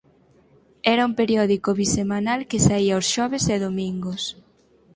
Era un periódico bisemanal que saía os xoves e domingos.